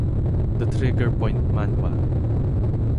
The Trigger Point Manual.